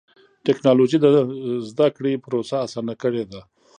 ټکنالوجي د زدهکړې پروسه اسانه کړې ده.